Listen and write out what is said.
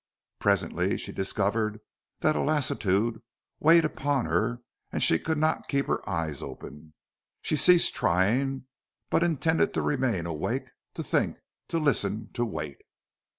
Presently she discovered that a lassitude weighted upon her and she could not keep her eyes open. She ceased trying, but intended to remain awake to think, to listen, to wait.